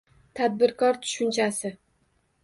«Tadbirkor» tushunchasi